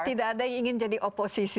tidak ada yang ingin jadi oposisi